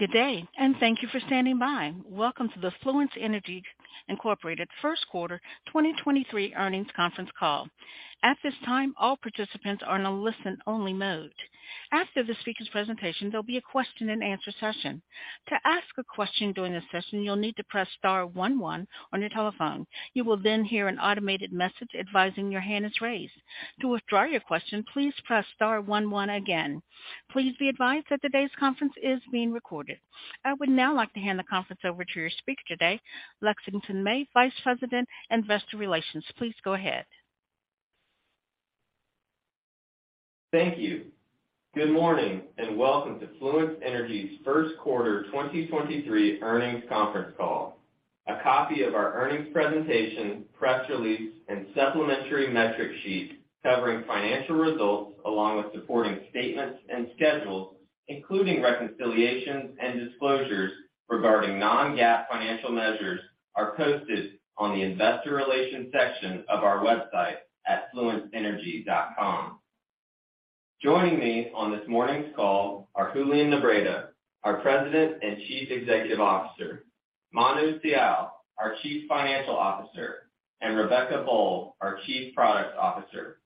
Good day, thank you for standing by. Welcome to the Fluence Energy, Inc. First Quarter 2023 Earnings Conference Call. At this time, all participants are in a listen only mode. After the speaker's presentation, there'll be a question-and-answer session. To ask a question during this session, you'll need to press star 1 1 on your telephone. You will then hear an automated message advising your hand is raised. To withdraw your question, please pres s star 11 again. Please be advised that today's conference is being recorded. I would now like to hand the conference over to your speaker today, Lexington May, Vice President, Investor Relations. Please go ahead. Thank you. Good morning, welcome to Fluence Energy's First Quarter 2023 Earnings Conference Call. A copy of our earnings presentation, press release and supplementary metric sheet covering financial results along with supporting statements and schedules, including reconciliations and disclosures regarding non-GAAP financial measures, are posted on the investor relations section of our website at fluenceenergy.com. Joining me on this morning's call are Julian Nebreda, our President and Chief Executive Officer, Manu Sial, our Chief Financial Officer, and Rebecca Boll, our Chief Product Officer.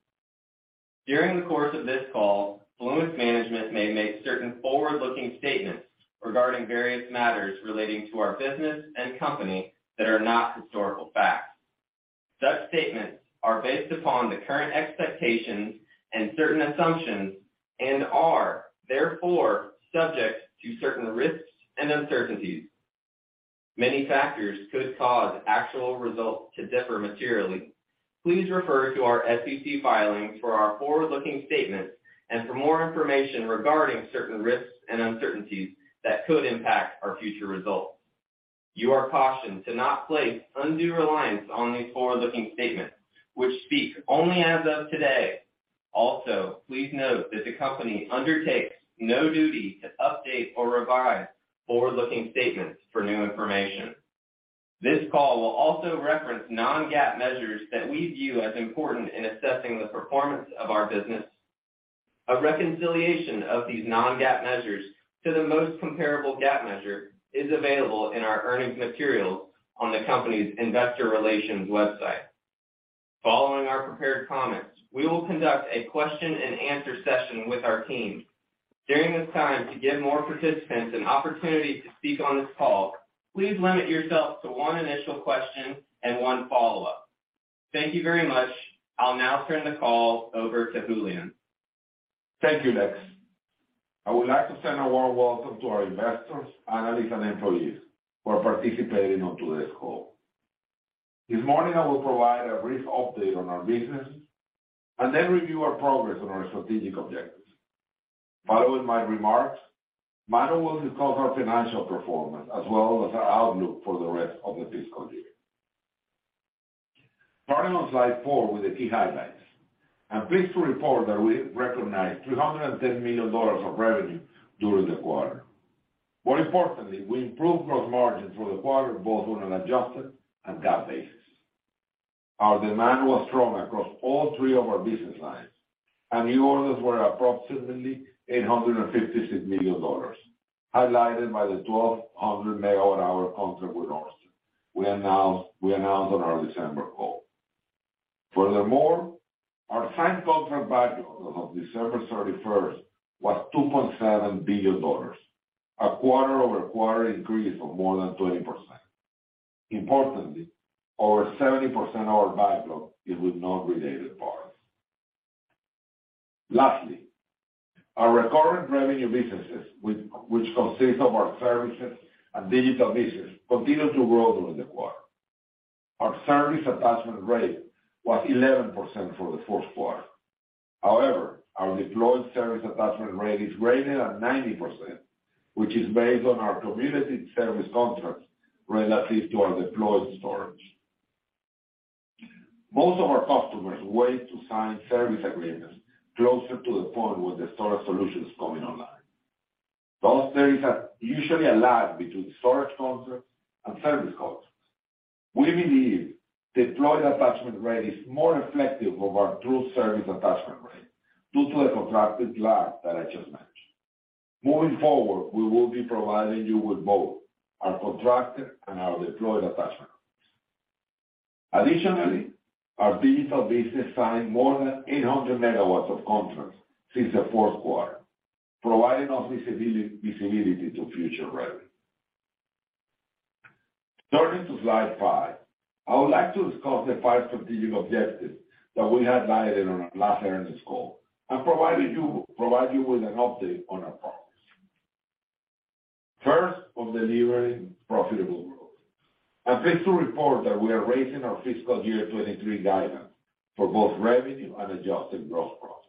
During the course of this call, Fluence management may make certain forward-looking statements regarding various matters relating to our business and company that are not historical facts. Such statements are based upon the current expectations and certain assumptions, are therefore subject to certain risks and uncertainties. Many factors could cause actual results to differ materially. Please refer to our SEC filings for our forward-looking statements and for more information regarding certain risks and uncertainties that could impact our future results. You are cautioned to not place undue reliance on these forward-looking statements which speak only as of today. Also, please note that the company undertakes no duty to update or revise forward-looking statements for new information. This call will also reference non-GAAP measures that we view as important in assessing the performance of our business. A reconciliation of these non-GAAP measures to the most comparable GAAP measure is available in our earnings materials on the company's investor relations website. Following our prepared comments, we will conduct a question and answer session with our team. During this time, to give more participants an opportunity to speak on this call, please limit yourself to one initial question and one follow-up. Thank you very much. I'll now turn the call over to Julian. Thank you, Lex. I would like to send a warm welcome to our investors, analysts and employees for participating on today's call. This morning, I will provide a brief update on our business and then review our progress on our strategic objectives. Following my remarks, Manu will discuss our financial performance as well as our outlook for the rest of the fiscal year. Starting on slide 4 with the key highlights. I'm pleased to report that we recognized $310 million of revenue during the quarter. More importantly, we improved gross margin through the quarter, both on an adjusted and GAAP basis. Our demand was strong across all 3 of our business lines, and new orders were approximately $856 million, highlighted by the 1,200 MWh contract with Ørsted we announced on our December call. Our signed contract backlog of December 31st was $2.7 billion, a quarter-over-quarter increase of more than 20%. Over 70% of our backlog is with non-related parties. Our recurring revenue businesses which consist of our services and digital business, continued to grow during the quarter. Our service attachment rate was 11% for the fourth quarter. Our deployed service attachment rate is greater than 90%, which is based on our cumulative service contracts relative to our deployed storage. Most of our customers wait to sign service agreements closer to the point when the storage solution is coming online. There is a usually a lag between storage contracts and service contracts. We believe deployed attachment rate is more reflective of our true service attachment rate due to the contracted lag that I just mentioned. Moving forward, we will be providing you with both our contracted and our deployed attachment rates. Additionally, our digital business signed more than 800 megawatts of contracts since the fourth quarter, providing us visibility to future revenue. Turning to slide five. I would like to discuss the five strategic objectives that we highlighted on our last earnings call and provide you with an update on our progress. First, on delivering profitable growth. I'm pleased to report that we are raising our fiscal year 23 guidance for both revenue and adjusted gross profit.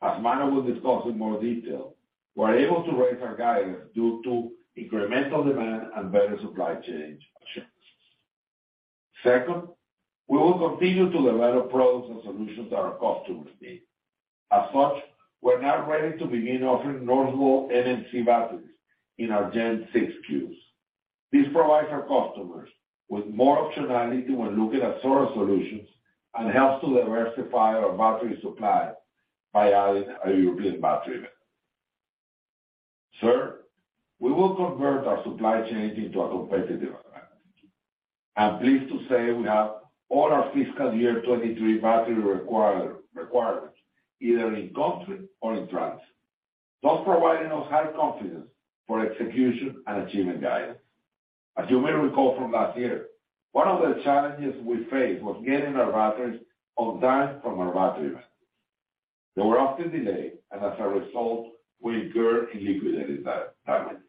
As Manu will discuss in more detail, we're able to raise our guidance due to incremental demand and better supply chain assurance. Second, we will continue to develop products and solutions that our customers need. We're now ready to begin offering Northvolt NMC batteries in our Gen6 Cubes. This provides our customers with more optionality when looking at solar solutions, and helps to diversify our battery supply by adding a European battery. Third, we will convert our supply chain into a competitive advantage. I'm pleased to say we have all our fiscal year 2023 battery requirements, either in-country or in-transit. Providing us high confidence for execution and achieving guidance. You may recall from last year, one of the challenges we faced was getting our batteries on time from our battery banks. They were often delayed, and as a result, we incurred in liquidity damages.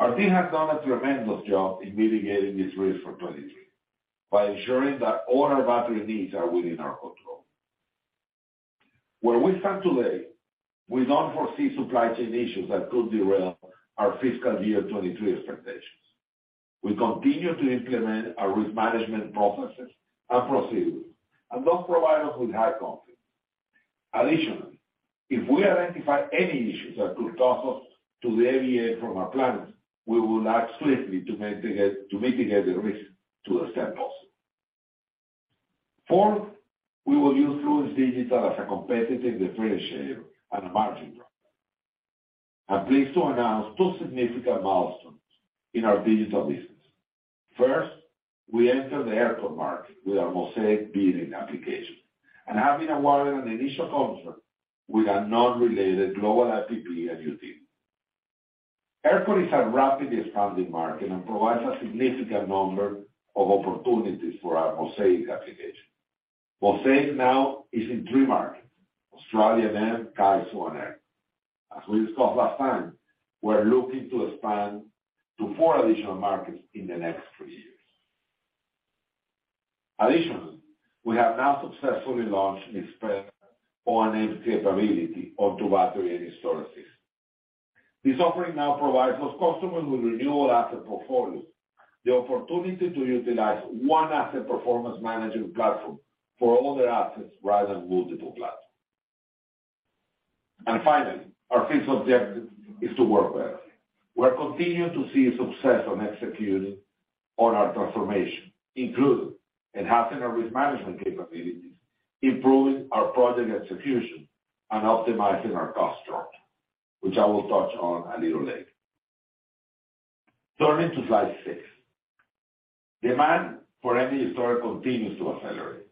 Our team has done a tremendous job in mitigating this risk for 23 by ensuring that all our battery needs are within our control. Where we stand today, we don't foresee supply chain issues that could derail our fiscal year 23 expectations. We continue to implement our risk management processes and procedures, and those provide us with high confidence. Additionally, if we identify any issues that could cause us to deviate from our plans, we will act swiftly to mitigate the risk to the extent possible. Fourth, we will use Fluence Digital as a competitive differentiator and a margin driver. I'm pleased to announce 2 significant milestones in our digital business. First, we entered the ERCOT market with our Mosaic bidding application. Have been awarded an initial contract with a non-related global SPP utility. ERCOT is a rapidly expanding market, and provides a significant number of opportunities for our Mosaic application. Mosaic now is in 3 markets, Australia, Japan, and Korea. As we discussed last time, we're looking to expand to 4 additional markets in the next 3 years. Additionally, we have now successfully launched expanded O&M capability onto battery energy storages. This offering now provides those customers with renewable asset portfolios the opportunity to utilize one asset performance management platform for all their assets rather than multiple platforms. Finally, our fifth objective is to work better. We're continuing to see success on executing on our transformation, including enhancing our risk management capabilities, improving our project execution, and optimizing our cost structure, which I will touch on a little later. Turning to slide 6. Demand for energy storage continues to accelerate.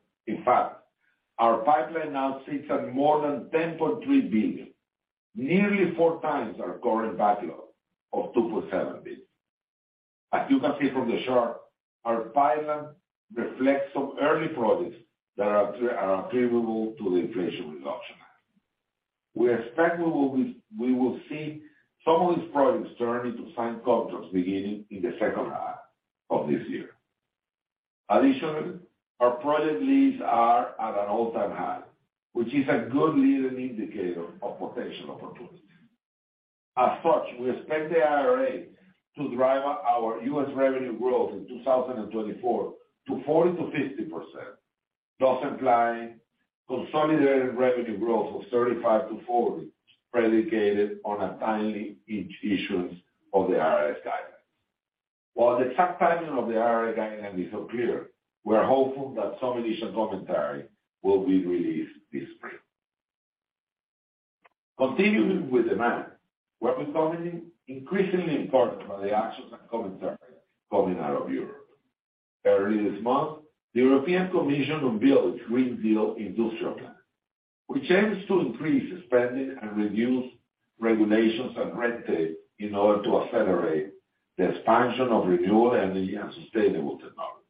Our pipeline now sits at more than $10.3 billion. Nearly 4 times our current backlog of $2.7 billion. As you can see from the chart, our pipeline reflects some early projects that are attributable to the Inflation Reduction Act. We expect we will see some of these projects turn into signed contracts beginning in the second half of this year. Additionally, our project leads are at an all-time high, which is a good leading indicator of potential opportunities. As such, we expect the IRA to drive our U.S. revenue growth in 2024 to 40%-50%. Thus implying consolidated revenue growth of 35%-40%, predicated on a timely issuance of the IRA's guidance. While the exact timing of the IRA guidance is unclear, we're hopeful that some initial commentary will be released this spring. Continuing with demand. We're becoming increasingly important by the actions and commentary coming out of Europe. Early this month, the European Commission unveiled its Green Deal Industrial Plan, which aims to increase spending and reduce regulations and red tape in order to accelerate the expansion of renewable energy and sustainable technologies.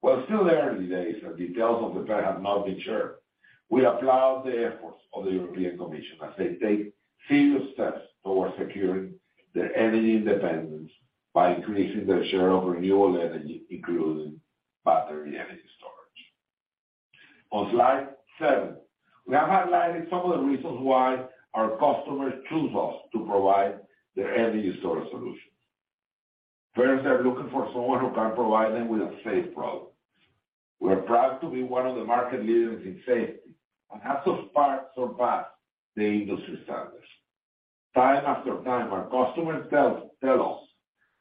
While it's still early days, the details of the plan have not been shared. We applaud the efforts of the European Commission as they take feasible steps towards securing their energy independence by increasing their share of renewable energy, including battery energy storage. On slide 7, we are highlighting some of the reasons why our customers choose us to provide their energy storage solutions. First, they're looking for someone who can provide them with a safe product. We're proud to be one of the market leaders in safety, and have so far surpassed the industry standards. Time after time, our customers tell us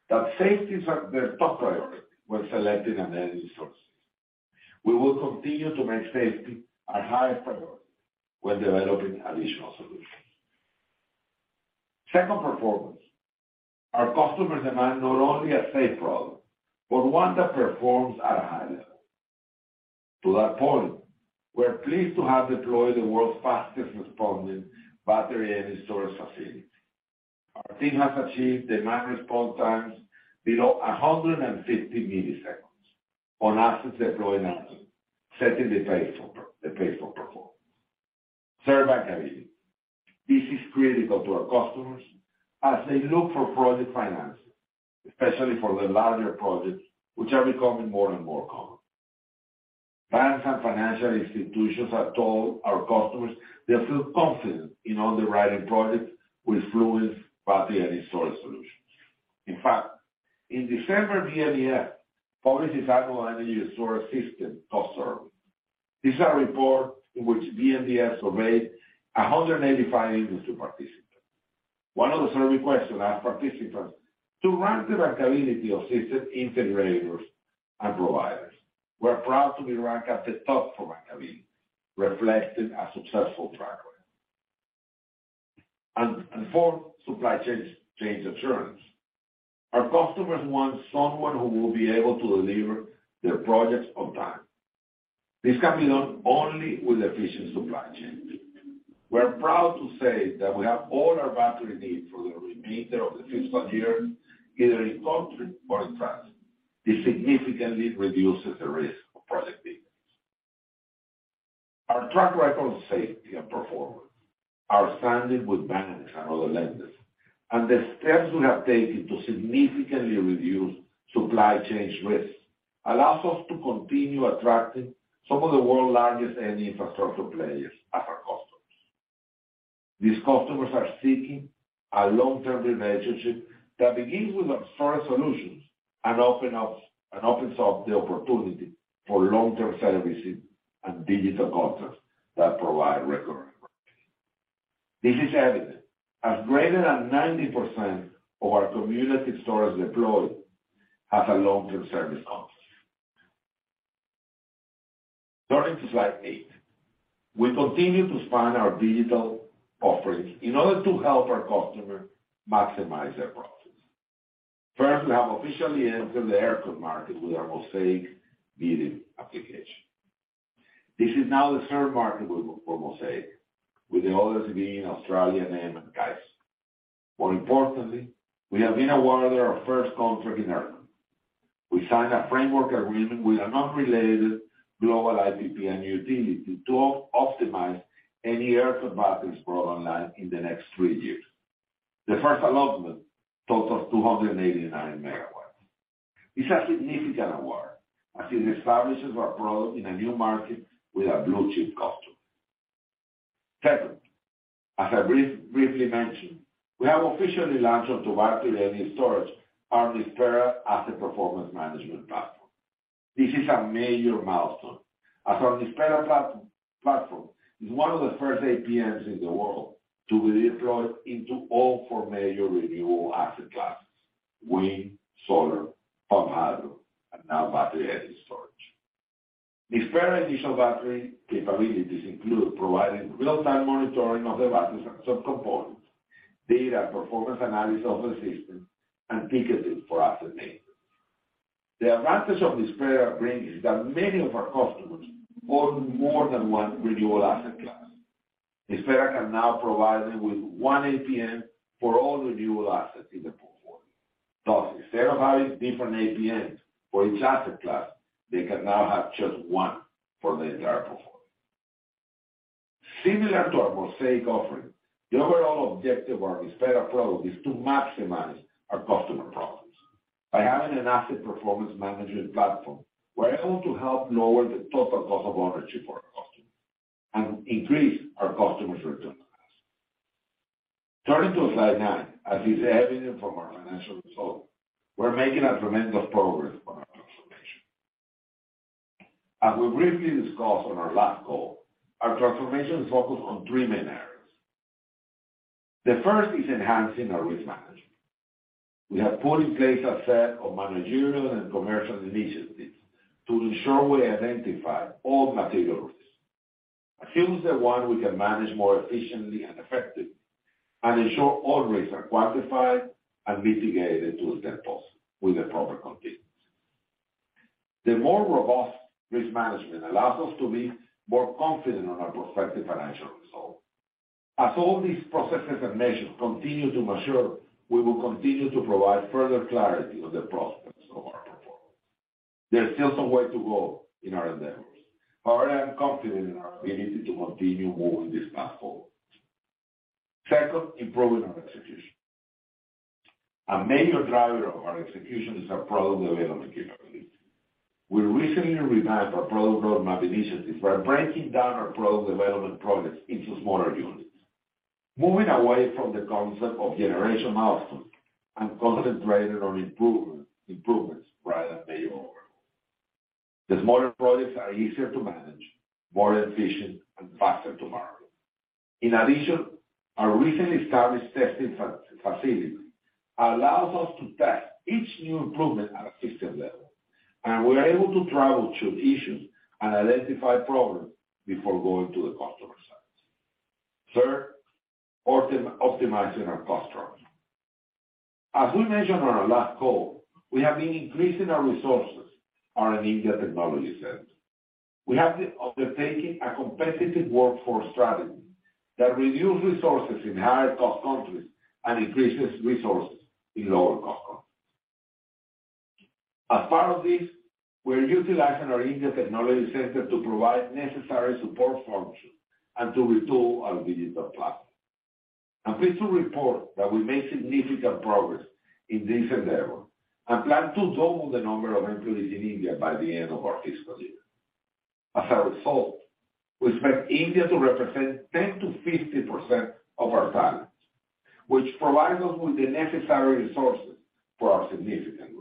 that safety is at their top priority when selecting an energy source. We will continue to make safety our highest priority when developing additional solutions. Second, performance. Our customers demand not only a safe product, but one that performs at a high level. To that point, we're pleased to have deployed the world's fastest responding battery energy storage facility. Our team has achieved demand response times below 150 milliseconds on assets deployed in Austin, setting the pace for performance. Third, bankability. This is critical to our customers as they look for project financing, especially for the larger projects, which are becoming more and more common. Banks and financial institutions have told our customers they feel confident in underwriting projects with Fluence battery energy storage solutions. In fact, in December of year, Polillo Island energy storage system, called SERB. This is our report in which BNEF surveyed 185 industry participants. One of the survey questions asked participants to rank the bankability of system integrators and providers. We're proud to be ranked at the top for bankability, reflecting a successful track record. Four, supply chains change assurance. Our customers want someone who will be able to deliver their projects on time. This can be done only with efficient supply chain. We're proud to say that we have all our battery needs for the remainder of the fiscal year, either in country or in-transit. This significantly reduces the risk of project delays. Our track record on safety and performance, our standing with banks and other lenders, and the steps we have taken to significantly reduce supply chains risks allows us to continue attracting some of the world's largest energy infrastructure players as our customers. These customers are seeking a long-term relationship that begins with our storage solutions and opens up the opportunity for long-term service and digital contracts that provide recurring revenue. This is evident as greater than 90% of our community storage deployed has a long-term service contract. Turning to slide 8. We continue to expand our digital offerings in order to help our customers maximize their profits. First, we have officially entered the ERCOT market with our Mosaic bidding application. This is now the third market for Mosaic, with the others being Australia, NEM and CAISO. More importantly, we have been awarded our first contract in ERCOT. We signed a framework agreement with an unrelated global IPP and utility to optimize any ERCOT batteries for online in the next three years. The first allotment totals 289 MW. It's a significant award as it establishes our product in a new market with a blue chip customer. Second, as I briefly mentioned, we have officially launched on to battery energy storage, our Nispera asset performance management platform. This is a major milestone as our Nispera platform is one of the first APMs in the world to be deployed into all four major renewable asset classes: wind, solar, pump hydro, and now battery energy storage. Nispera initial battery capabilities include providing real-time monitoring of the batteries and subcomponents, data and performance analysis of the system, and ticketing for asset makers. The advantage of Nispera bringing is that many of our customers own more than one renewable asset class. Nispera can now provide them with 1 APM for all renewable assets in the portfolio. Instead of having different APMs for each asset class, they can now have just 1 for the entire portfolio. Similar to our Mosaic offering, the overall objective of our Nispera product is to maximize our customer profits. By having an asset performance management platform, we're able to help lower the total cost of ownership for our customers and increase our customers' return on us. Turning to slide 9, as is evident from our financial results, we're making a tremendous progress on our transformation. As we briefly discussed on our last call, our transformation is focused on 3 main areas. The first is enhancing our risk management. We have put in place a set of managerial and commercial initiatives to ensure we identify all material risks, assume the one we can manage more efficiently and effectively, and ensure all risks are quantified and mitigated to the extent possible with the proper confidence. The more robust risk management allows us to be more confident on our prospective financial results. As all these processes and measures continue to mature, we will continue to provide further clarity on the prospects of our performance. There's still some way to go in our endeavors. However, I am confident in our ability to continue moving this path forward. Second, improving our execution. A major driver of our execution is our product development capabilities. We recently revamped our product roadmap initiatives by breaking down our product development projects into smaller units. Moving away from the concept of generation milestones and concentrated on improvements rather than big overhauls. The smaller projects are easier to manage, more efficient, and faster to market. In addition, our recently established testing facility allows us to test each new improvement at a system level, and we are able to troubleshoot issues and identify problems before going to the customer site. Third, optimizing our cost structure. As we mentioned on our last call, we have been increasing our resources on an India technology center. We have been undertaking a competitive workforce strategy that reduces resources in higher cost countries and increases resources in lower cost countries. As part of this, we're utilizing our India technology center to provide necessary support functions and to retool our digital platform. I'm pleased to report that we made significant progress in this endeavor, and plan to double the number of employees in India by the end of our fiscal year. As a result, we expect India to represent 10%-15% of our talent, which provide us with the necessary resources for our significant growth.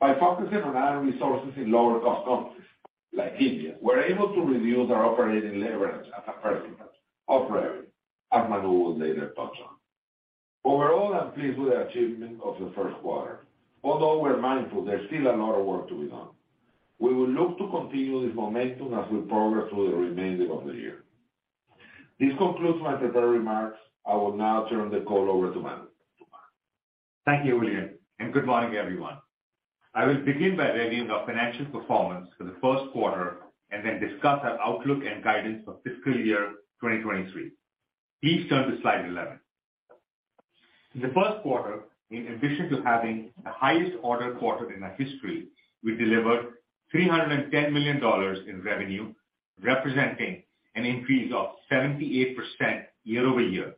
By focusing on our resources in lower cost countries like India, we're able to reduce our operating leverage as a % of revenue, as Manu will later touch on. I'm pleased with the achievement of the first quarter. We're mindful there's still a lot of work to be done. We will look to continue this momentum as we progress through the remainder of the year. This concludes my prepared remarks. I will now turn the call over to Manu. Thank you, Julian. Good morning, everyone. I will begin by reviewing our financial performance for the first quarter and then discuss our outlook and guidance for fiscal year 2023. Please turn to slide 11. In the first quarter, in addition to having the highest order quarter in our history, we delivered $310 million in revenue, representing an increase of 78% year-over-year.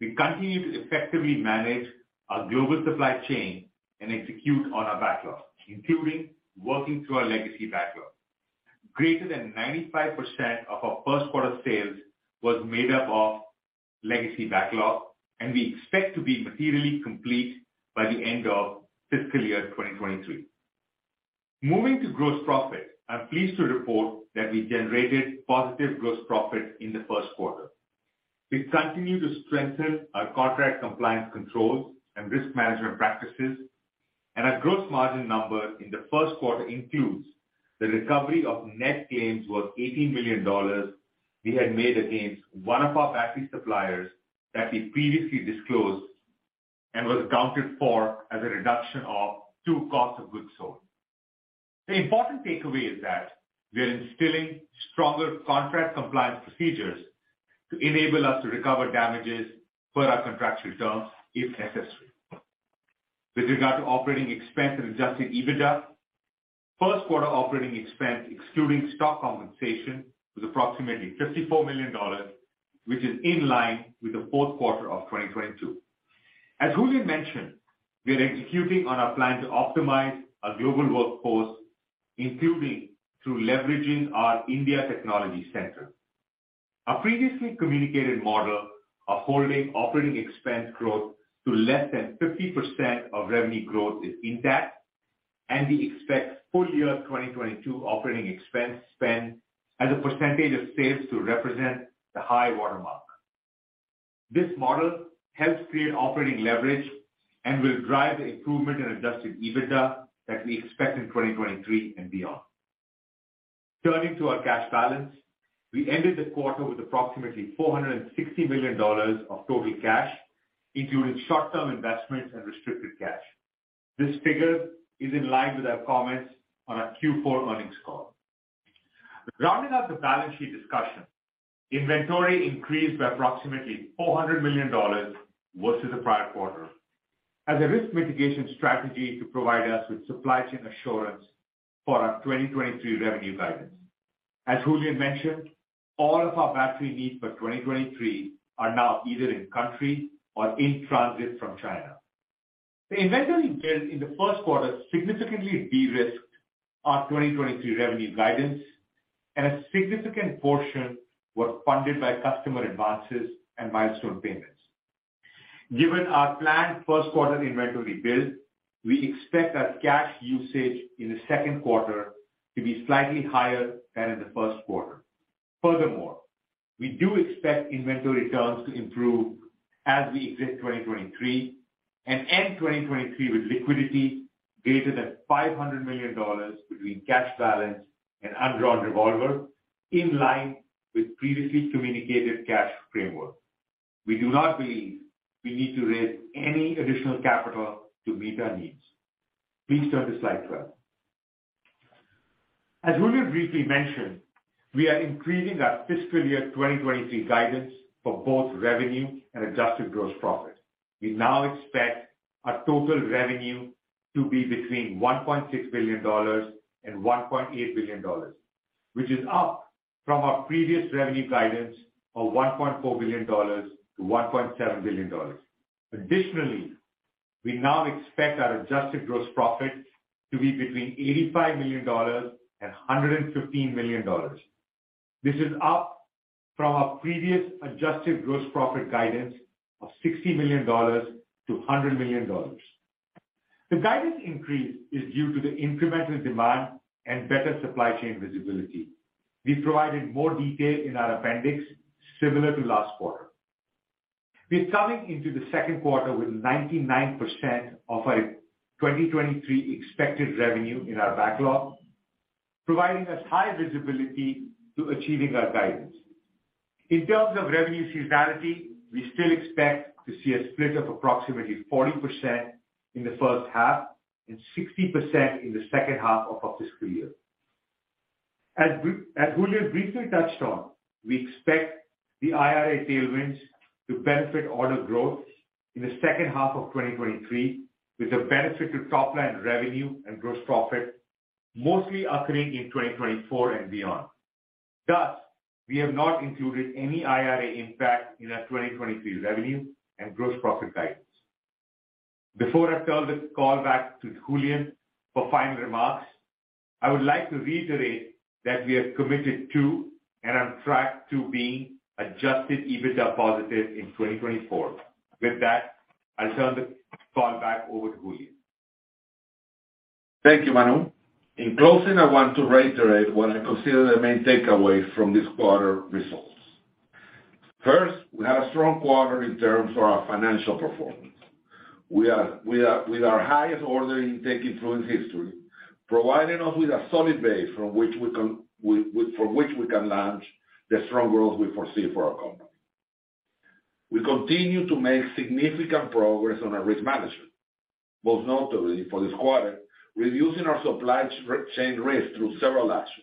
We continue to effectively manage our global supply chain and execute on our backlog, including working through our legacy backlog. Greater than 95% of our first quarter sales was made up of legacy backlog. We expect to be materially complete by the end of fiscal year 2023. Moving to gross profit, I'm pleased to report that we generated positive gross profit in the first quarter. We continue to strengthen our contract compliance controls and risk management practices. Our gross margin number in the first quarter includes the recovery of net gains worth $80 million we had made against one of our battery suppliers that we previously disclosed and was accounted for as a reduction of two cost of goods sold. The important takeaway is that we are instilling stronger contract compliance procedures to enable us to recover damages per our contract terms if necessary. With regard to operating expense and Adjusted EBITDA, first quarter operating expense, excluding stock compensation, was approximately $54 million, which is in line with the fourth quarter of 2022. As Julian mentioned, we are executing on our plan to optimize our global workforce, including through leveraging our India technology center. Our previously communicated model of holding operating expense growth to less than 50% of revenue growth is intact, and we expect full year 2022 operating expense spend as a percentage of sales to represent the high watermark. This model helps create operating leverage and will drive the improvement in Adjusted EBITDA that we expect in 2023 and beyond. Turning to our cash balance. We ended the quarter with approximately $460 million of total cash, including short-term investments and restricted cash. This figure is in line with our comments on our Q4 earnings call. Rounding out the balance sheet discussion, inventory increased by approximately $400 million versus the prior quarter as a risk mitigation strategy to provide us with supply chain assurance for our 2023 revenue guidance. As Julian mentioned, all of our battery needs for 2023 are now either in country or in transit from China. The inventory build in the first quarter significantly de-risked our 2023 revenue guidance and a significant portion was funded by customer advances and milestone payments. Given our planned first quarter inventory build, we expect our cash usage in the second quarter to be slightly higher than in the first quarter. We do expect inventory turns to improve as we exit 2023 and end 2023 with liquidity greater than $500 million between cash balance and undrawn revolver in line with previously communicated cash framework. We do not believe we need to raise any additional capital to meet our needs. Please turn to slide 12. As Julian briefly mentioned, we are increasing our fiscal year 2023 guidance for both revenue and adjusted gross profit. We now expect our total revenue to be between $1.6 billion and $1.8 billion, which is up from our previous revenue guidance of $1.4 billion to $1.7 billion. Additionally, we now expect our adjusted gross profit to be between $85 million and $115 million. This is up from our previous adjusted gross profit guidance of $60 million to $100 million. The guidance increase is due to the incremental demand and better supply chain visibility. We provided more detail in our appendix, similar to last quarter. We're coming into the second quarter with 99% of our 2023 expected revenue in our backlog, providing us high visibility to achieving our guidance. In terms of revenue seasonality, we still expect to see a split of approximately 40% in the first half and 60% in the second half of our fiscal year. As Julian briefly touched on, we expect the IRA tailwinds to benefit order growth in the second half of 2023, with the benefit to top line revenue and gross profit mostly occurring in 2024 and beyond. Thus, we have not included any IRA impact in our 2023 revenue and gross profit guidance. Before I turn this call back to Julian for final remarks, I would like to reiterate that we are committed to and on track to being Adjusted EBITDA positive in 2024. With that, I'll turn the call back over to Julian. Thank you, Manu. In closing, I want to reiterate what I consider the main takeaways from this quarter results. First, we had a strong quarter in terms of our financial performance. We are with our highest order intake in Fluence history, providing us with a solid base from which we can launch the strong growth we foresee for our company. We continue to make significant progress on our risk management, most notably for this quarter, reducing our supply chain risk through several actions,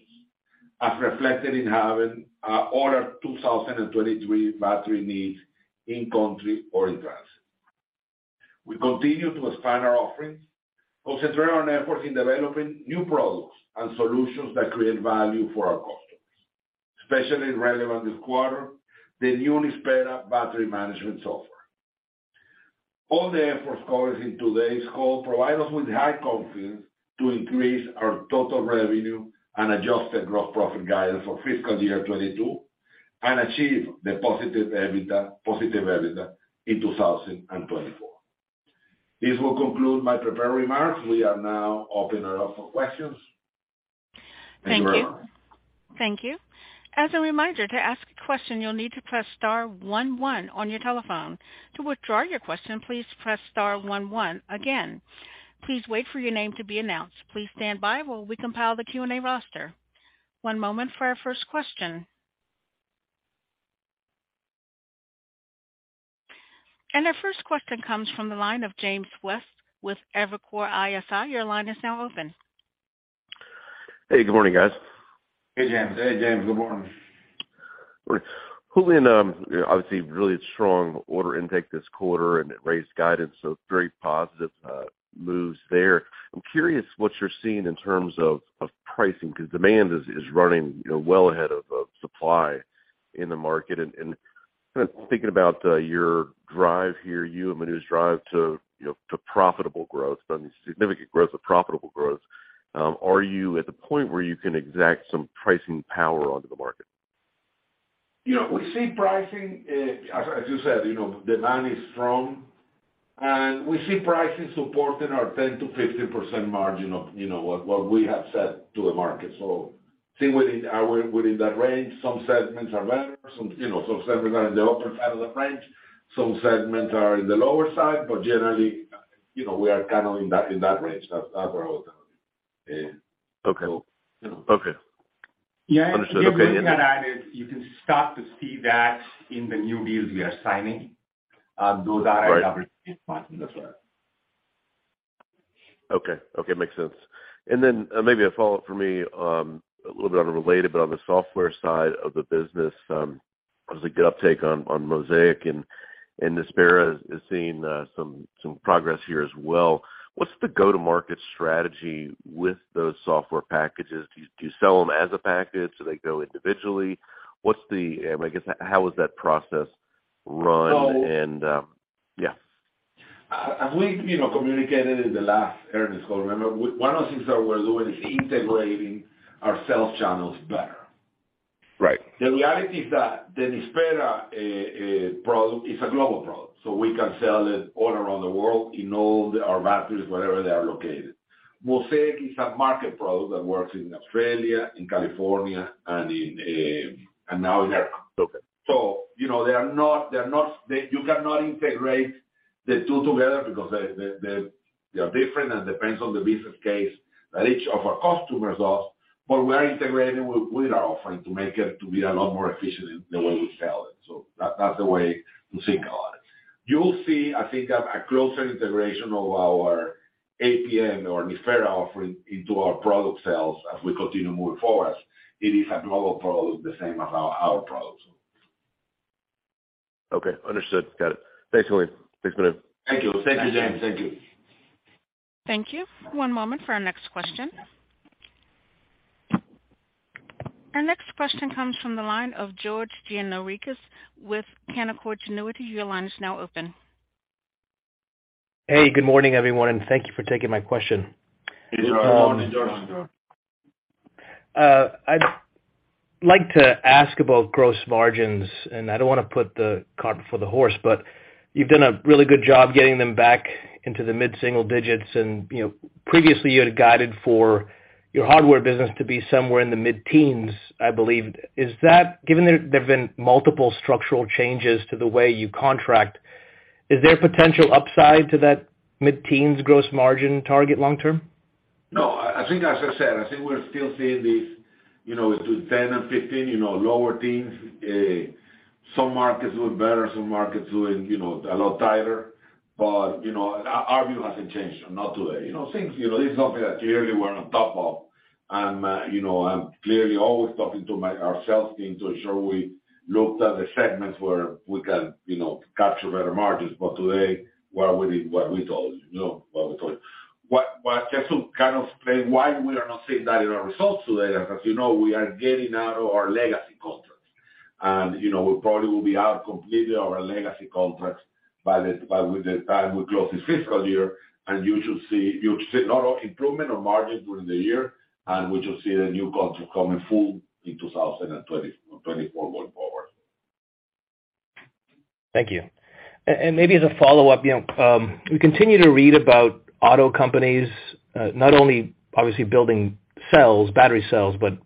as reflected in having ordered 2023 battery needs in country or in transit. We continue to expand our offerings, also grow our networks in developing new products and solutions that create value for our customers, especially relevant this quarter, the new Nispera battery management software. All the efforts covered in today's call provide us with high confidence to increase our total revenue and adjusted gross profit guidance for fiscal year 2022 and achieve the positive EBITDA in 2024. This will conclude my prepared remarks. We are now open it up for questions. Thank you. Thank you, everyone. Thank you. As a reminder, to ask a question, you'll need to press star one one on your telephone. To withdraw your question, please press star 1 1 again. Please wait for your name to be announced. Please stand by while we compile the Q&A roster. One moment for our first question. Our first question comes from the line of James West with Evercore ISI. Your line is now open. Hey, good morning, guys. Hey, James. Hey, James. Good morning. Julian, you know, obviously really strong order intake this quarter and it raised guidance, so very positive moves there. I'm curious what you're seeing in terms of pricing because demand is running, you know, well ahead of supply in the market. Kind of thinking about your drive here, you and Manu's drive to, you know, to profitable growth, I mean, significant growth but profitable growth, are you at the point where you can exact some pricing power onto the market? You know, we see pricing, as you said, you know, demand is strong. We see pricing supporting our 10%-15% margin of, you know, what we have set to the market. I think within that range, some segments are better, some, you know, some segments are in the upper side of the range. Some segments are in the lower side. Generally, you know, we are kind of in that range. That's where Okay. Okay. Understood. Okay. Yeah. just to add is you can start to see that in the new deals we are signing. Right. Every six months as well. Okay. Okay. Makes sense. Maybe a follow-up for me, a little bit unrelated, but on the software side of the business, there's a good uptake on Mosaic, and Nispera is seeing some progress here as well. What's the go-to-market strategy with those software packages? Do you sell them as a package? Do they go individually? What's the, I guess, how is that process run and, yeah. As we, you know, communicated in the last earnings call, remember, one of the things that we're doing is integrating our sales channels better. Right. The reality is that the Nispera product is a global product, so we can sell it all around the world in all our batteries, wherever they are located. Mosaic is a market product that works in Australia, in California, and now in ERCOT. Okay. You know, you cannot integrate the two together because they are different and depends on the business case that each of our customers ask. We're integrating with our offering to make it to be a lot more efficient in the way we sell it. That's the way to think about it. You will see, I think a closer integration of our APM or Nispera offering into our product sales as we continue to move forward. It is a global product, the same as our products. Okay, understood. Got it. Thanks, Julian. Thank you. Thank you, James. Thank you. Thank you. One moment for our next question. Our next question comes from the line of George Gianarikas with Canaccord Genuity. Your line is now open. Hey, good morning, everyone. Thank you for taking my question. Good morning, George. I'd like to ask about gross margins, and I don't wanna put the cart before the horse, but you've done a really good job getting them back into the mid-single digits. You know, previously, you had guided for your hardware business to be somewhere in the mid-teens, I believe. Is that, given there have been multiple structural changes to the way you contract, is there potential upside to that mid-teens gross margin target long term? No. I think as I said, I think we're still seeing these, you know, between 10 and 15, you know, lower teens. Some markets doing better, some markets doing, you know, a lot tighter. You know, our view hasn't changed. Not today. You know, things, you know, this is something that clearly we're on top of. I'm, you know, I'm clearly always talking to our sales team to ensure we looked at the segments where we can, you know, capture better margins. Today, we are reading what we told you. What Jessel kind of explained why we are not seeing that in our results today. As you know, we are getting out of our legacy contracts. You know, we probably will be out completely our legacy contracts by with the time we close this fiscal year. You should see not only improvement on margin during the year. We should see the new contract coming full in 2024 going forward. Thank you. And maybe as a follow-up, you know, we continue to read about auto companies, not only obviously building cells, battery cells, but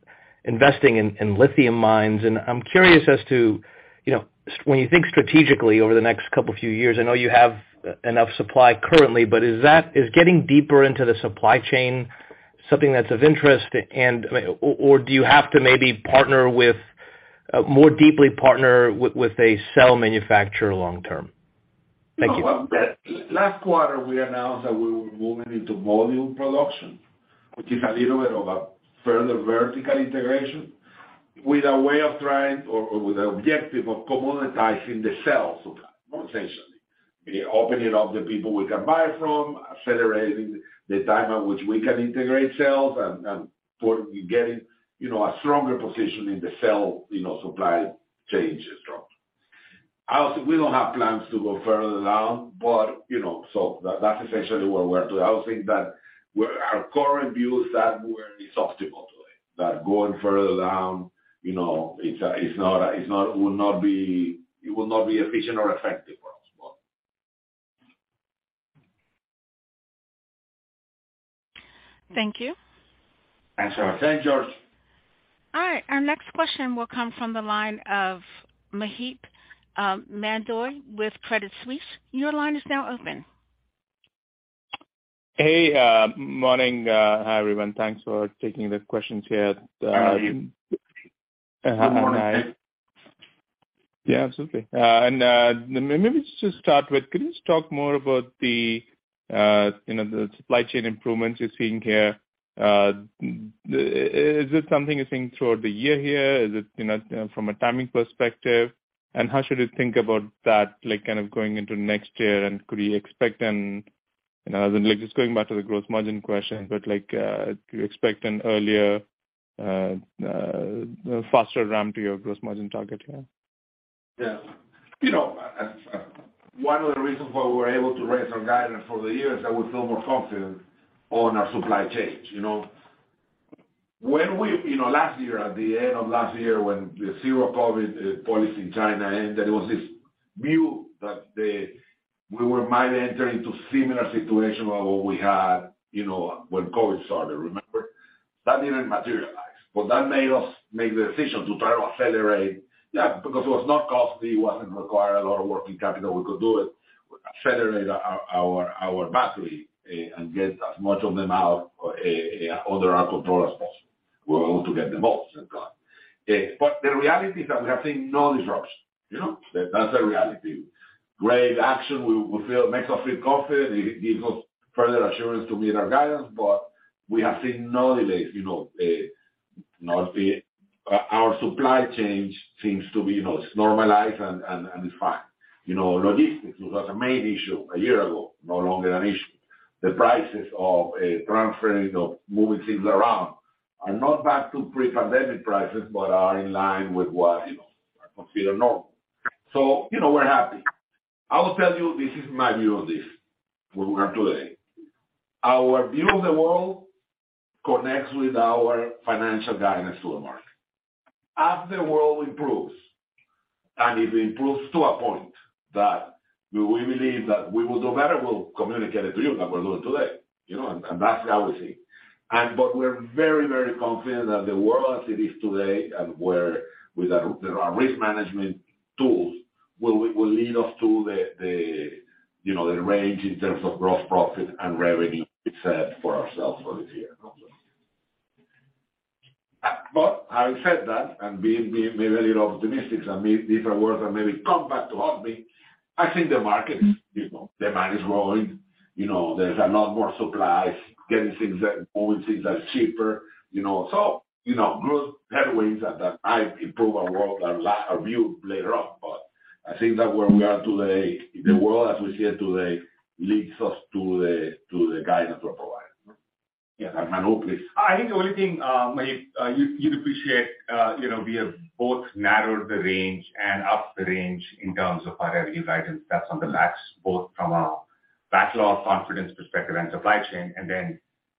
investing in lithium mines. I'm curious as to, you know, when you think strategically over the next couple of few years, I know you have enough supply currently, but is getting deeper into the supply chain something that's of interest and or do you have to maybe partner with, more deeply partner with a cell manufacturer long term? Thank you. No. Last quarter, we announced that we were moving into volume production, which is a little bit of a further vertical integration with a way of trying or with the objective of commoditizing the cells, essentially. Opening up the people we can buy from, accelerating the time at which we can integrate cells and for getting, you know, a stronger position in the cell, you know, supply chain structure. We don't have plans to go further down, you know, that's essentially what we're doing. I would think that our current view is that we're in the soft commodity, that going further down, you know, it's not, it will not be efficient or effective for us. Thank you. Thanks, George. All right. Our next question will come from the line of Maheep Mandloi with Credit Suisse. Your line is now open. Hey, morning. Hi, everyone. Thanks for taking the questions here. Hi, Maheep. Good morning. Yeah, absolutely. Maybe just start with, can you just talk more about the, you know, the supply chain improvements you're seeing here? Is this something you're seeing throughout the year here? Is it, you know, from a timing perspective? How should we think about that, like, kind of going into next year? Could we expect You know, just going back to the growth margin question, but, like, do you expect an earlier, faster ramp to your gross margin target here? You know, 1 of the reasons why we were able to raise our guidance for the year is that we feel more confident on our supply chains. You know, last year, at the end of last year, when the zero COVID policy in China ended, there was this view that we might enter into similar situation like what we had, you know, when COVID started. Remember? That didn't materialize. That made us make the decision to try to accelerate. Because it was not costly, it wasn't require a lot of working capital, we could do it, accelerate our battery and get as much of them out under our control as possible. We're able to get the most out. The reality is that we have seen no disruption. You know? That's the reality. Great action, we feel makes us feel confident. It gives us further assurance to meet our guidance. We have seen no delays, you know. No, our supply chains seems to be, you know, it's normalized and it's fine. You know, logistics, which was a main issue a year ago, no longer an issue. The prices of transferring, you know, moving things around are not back to pre-pandemic prices, but are in line with what, you know, are considered normal. You know, we're happy. I will tell you, this is my view on this, where we are today. Our view of the world connects with our financial guidance to the market. As the world improves, and it improves to a point that we believe that we will do better, we'll communicate it to you like we're doing today, you know, and that's how we see. But we're very confident that the world as it is today and where with our, with our risk management tools will lead us to the, you know, the range in terms of gross profit and revenue we've set for ourselves for this year. Having said that, and being maybe a little optimistic, and maybe different words that maybe come back to haunt me, I think the market, you know, demand is growing. You know, there's a lot more supplies, getting things moving things are cheaper, you know. you know, growth have ways that might improve our world, our view later on, but I think that where we are today, the world as we see it today leads us to the guidance we're providing. Yeah, Armando, please. I think the only thing, Maheep, you'd appreciate, you know, we have both narrowed the range and upped the range in terms of our revenue guidance that's on the max, both from a backlog confidence perspective and supply chain.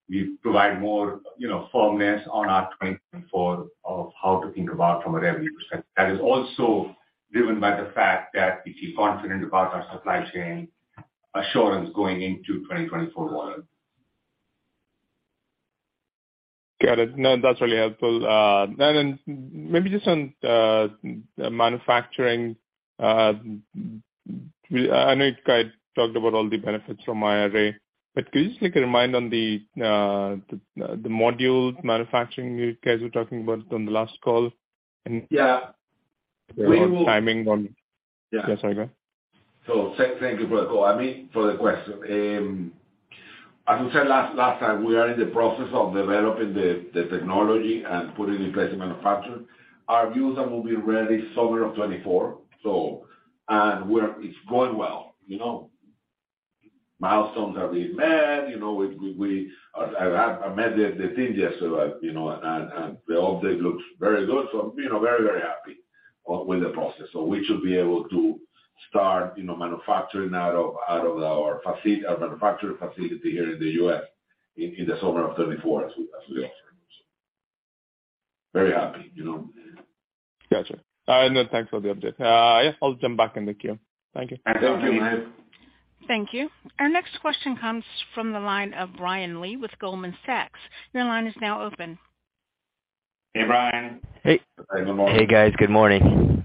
We provide more, you know, firmness on our 2024 of how to think about from a revenue perspective. That is also driven by the fact that we feel confident about our supply chain assurance going into 2024 more. Got it. No, that's really helpful. Maybe just on manufacturing, I know you guys talked about all the benefits from IRA, but could you just take a remind on the module manufacturing you CAISO were talking about on the last call? Yeah. -timing on- Yeah. Yeah. Sorry, go ahead. Thank you for the call. I mean, for the question. As we said last time, we are in the process of developing the technology and putting in place the manufacture. Our view is that we'll be ready summer of 2024. It's going well, you know? Milestones are being met. You know, we met the team yesterday, you know, and the update looks very good. I'm, you know, very happy with the process. We should be able to start, you know, manufacturing out of our manufacturing facility here in the U.S. in the summer of 2024 as we. Very happy, you know. Gotcha. No, thanks for the update. Yes, I'll jump back in the queue. Thank you. Thank you Maheep. Thank you. Our next question comes from the line of Brian Lee with Goldman Sachs. Your line is now open. Hey, Ryan. Hey. Good morning. Hey, guys. Good morning.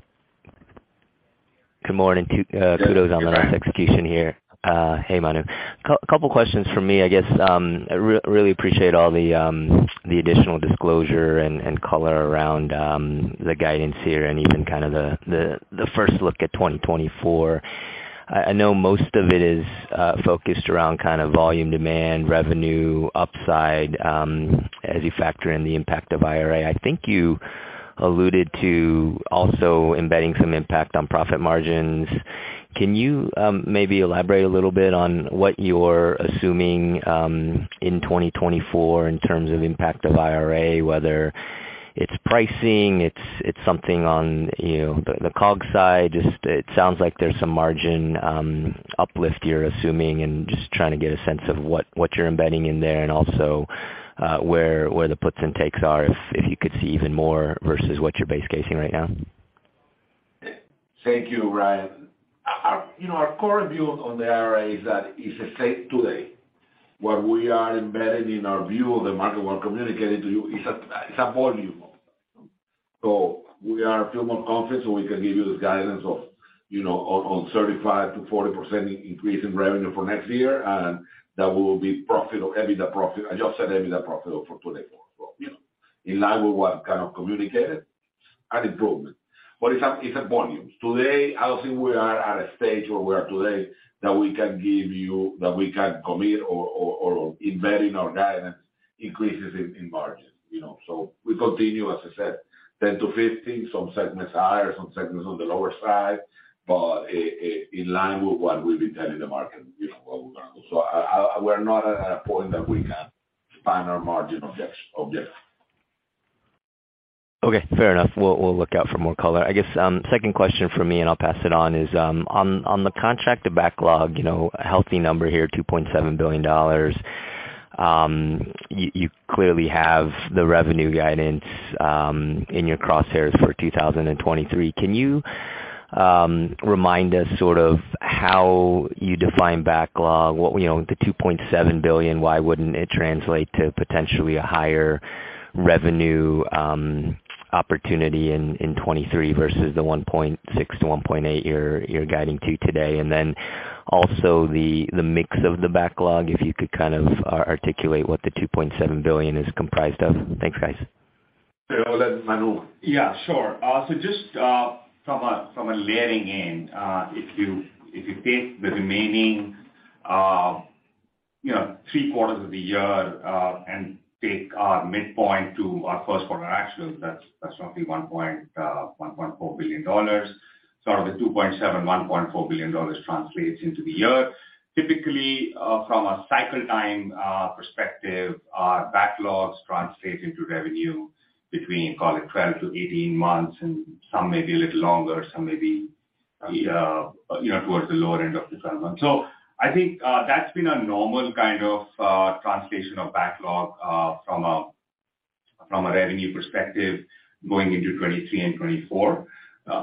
Good morning. Kudos on the last execution here. Hey, Manu. Couple questions from me, I guess. I really appreciate all the additional disclosure and color around the guidance here and even kind of the first look at 2024. I know most of it is focused around kind of volume demand, revenue upside, as you factor in the impact of IRA. I think you alluded to also embedding some impact on profit margins. Can you maybe elaborate a little bit on what you're assuming in 2024 in terms of impact of IRA, whether it's pricing, it's something on, you know, the COG side? Just it sounds like there's some margin, uplift you're assuming and just trying to get a sense of what you're embedding in there and also, where the puts and takes are if you could see even more versus what you're base casing right now. Thank you, Ryan. You know, our core view on the IRA is that it's the same today. What we are embedded in our view of the market we're communicating to you is a volume. We are feel more confident, so we can give you the guidance of, you know, on 35%-40% increase in revenue for next year, and that will be profitable, EBITDA profit. I just said EBITDA profitable for today for, you know, in line with what kind of communicated and improvement. It's a volume. Today, I don't think we are at a stage where we are today that we can commit or embed in our guidance increases in margin, you know. We continue, as I said, 10-15, some segments higher, some segments on the lower side, but in line with what we've been telling the market, you know, what we're gonna do. We're not at a point that we can expand our margin objects. Okay, fair enough. We'll, we'll look out for more color. I guess, second question from me, and I'll pass it on, is on the contract to backlog, you know, a healthy number here, $2.7 billion. You clearly have the revenue guidance, in your crosshairs for 2023. Can you remind us sort of how you define backlog? You know, the $2.7 billion, why wouldn't it translate to potentially a higher revenue, opportunity in 2023 versus the $1.6 billion-$1.8 billion you're guiding to today? And then also the mix of the backlog, if you could kind of articulate what the $2.7 billion is comprised of? Thanks, guys. Sure. I'll let Manu. Yeah, sure. Just from a layering in, if you take the remaining, you know, three quarters of the year, and take our midpoint to our first quarter actual, that's roughly $1.4 billion. Sort of the $2.7 billion, $1.4 billion translates into the year. Typically, from a cycle time perspective, our backlogs translate into revenue between, call it, 12-18 months, and some may be a little longer, some may be, you know, towards the lower end of the 12 months. I think that's been a normal kind of translation of backlog from a revenue perspective going into 2023 and 2024.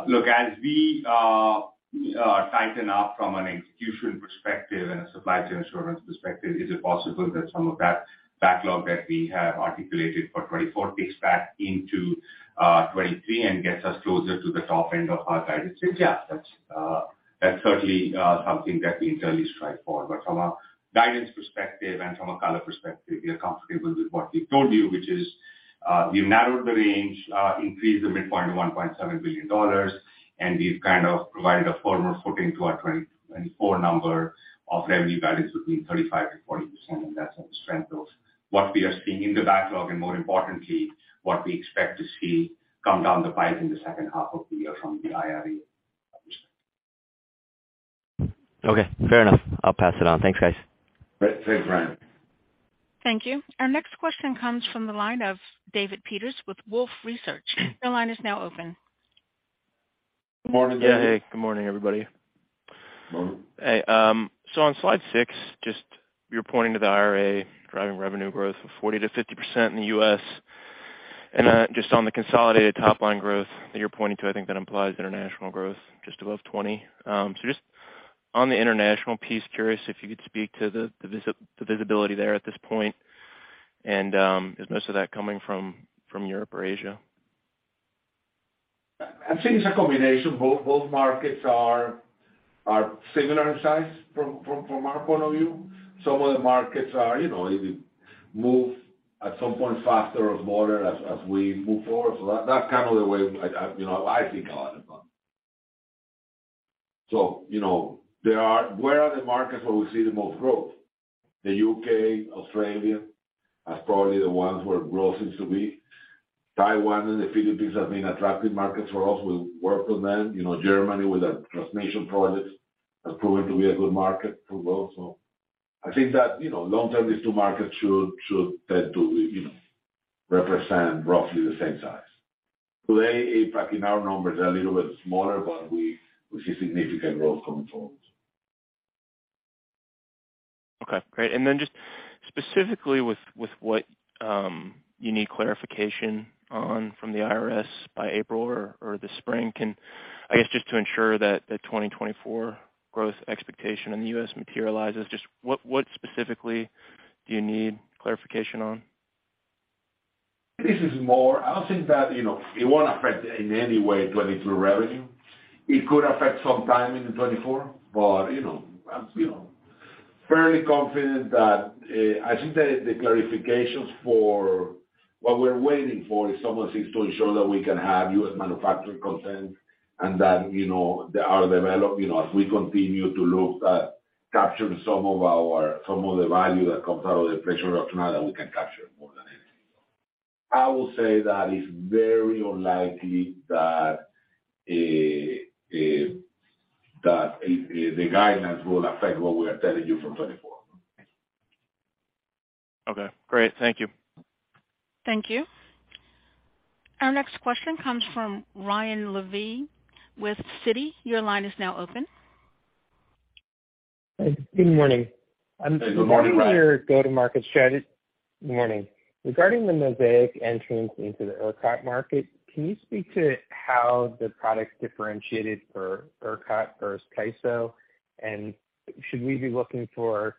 Look, as we tighten up from an execution perspective and a supply chain assurance perspective, is it possible that some of that backlog that we have articulated for 2024 feeds back into 2023 and gets us closer to the top end of our guidance range? Yeah, that's certainly something that we internally strive for. From a guidance perspective and from a color perspective, we are comfortable with what we've told you, which is, we've narrowed the range, increased the midpoint to $1.7 billion, and we've kind of provided a firmer footing to our 2024 number of revenue guidance between 35%-40%, and that's on the strength of what we are seeing in the backlog and, more importantly, what we expect to see come down the pipe in the second half of the year from the IRA perspective. Okay, fair enough. I'll pass it on. Thanks, guys. Thanks, Ryan. Thank you. Our next question comes from the line of David Peters with Wolfe Research. Your line is now open. Good morning, David. Yeah. Hey, good morning, everybody. Morning. Hey, on slide six, just you're pointing to the IRA driving revenue growth of 40%-50% in the U.S. Just on the consolidated top-line growth that you're pointing to, I think that implies international growth just above 20. Just on the international piece, curious if you could speak to the visibility there at this point. Is most of that coming from Europe or Asia? I think it's a combination. Both markets are similar in size from our point of view. Some of the markets are, you know, if you move at some point faster or slower as we move forward. That's kind of the way I, you know, I think a lot about it. You know, where are the markets where we see the most growth? The U.K., Australia are probably the ones where growth seems to be. Taiwan and the Philippines have been attractive markets for us. We'll work with them. You know, Germany with a transmission project has proven to be a good market for growth. I think that, you know, long term, these two markets should tend to, you know, represent roughly the same size. Today, in fact, in our numbers, they're a little bit smaller, but we see significant growth coming forward. Okay, great. Then just specifically with what you need clarification on from the IRS by April or this spring, I guess, just to ensure that the 2024 growth expectation in the U.S. materializes, just what specifically do you need clarification on? I don't think that, you know, it won't affect in any way 2022 revenue. It could affect some time in 2024, but, you know, I'm, you know, fairly confident that, I think that the clarifications for what we're waiting for is someone seems to ensure that we can have U.S. manufacturing content and that, you know, they are developed, you know, as we continue to look at capturing some of the value that comes out of the fresh air that we can capture more than anything. I will say that it's very unlikely that the guidance will affect what we are telling you for 2024. Okay, great. Thank you. Thank you. Our next question comes from Ryan Levine with Citi. Your line is now open. Good morning. Good morning, Ryan. I'm looking at your go-to-market strategy. Good morning. Regarding the Mosaic entrance into the ERCOT market, can you speak to how the product differentiated for ERCOT versus CAISO? Should we be looking for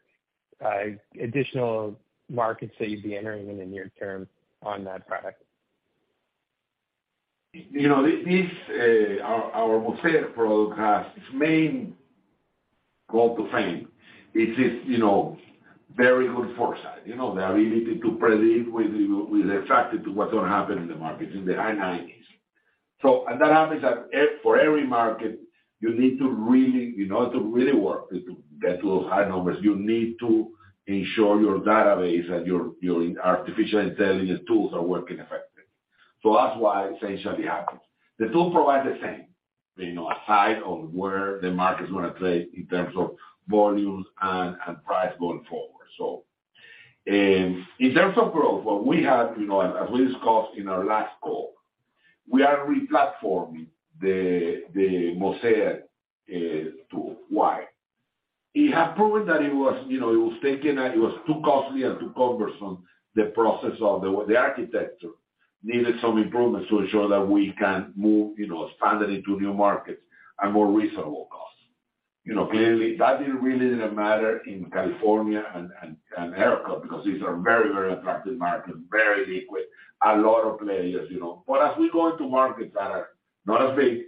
additional markets that you'd be entering in the near term on that product? You know, this, our Mosaic product has its main go-to frame. It is, you know, very good foresight. You know, the ability to predict with attracted to what's gonna happen in the markets in the high 90s. That happens for every market, you need to really, you know, to really work to get to high numbers, you need to ensure your database and your artificial intelligence tools are working effectively. That's why it essentially happens. The tool provides the same, you know, a height of where the market is gonna play in terms of volumes and price going forward. In terms of growth, what we have, you know, as we discussed in our last call, we are re-platforming the Mosaic tool. Why? It had proven that it was, you know, it was too costly and too cumbersome, the process of the architecture needed some improvements to ensure that we can move, you know, standard into new markets at more reasonable costs. You know, clearly that didn't really matter in California and ERCOT because these are very, very attractive markets, very liquid. A lot of players, you know. As we go into markets that are not as big,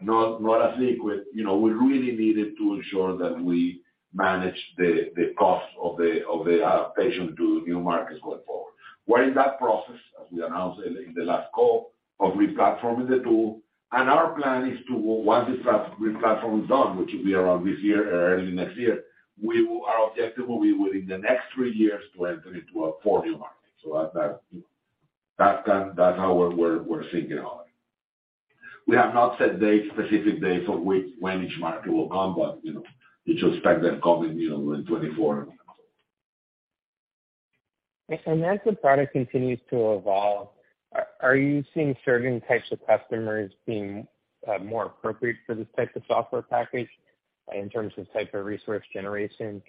not as liquid, you know, we really needed to ensure that we manage the cost of the adaptation to new markets going forward. We're in that process, as we announced in the last call of re-platforming the tool. Our plan is to, once this re-platform is done, which will be around this year or early next year, our objective will be within the next three years to enter into four new markets. That's how we're thinking on it. We have not set dates, specific dates of which when each market will come, but, you know, you should expect them coming, you know, in 2024. As the product continues to evolve, are you seeing certain types of customers being more appropriate for this type of software package in terms of type of resource generation